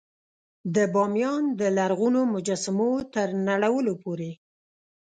د بامیان د لرغونو مجسمو تر نړولو پورې.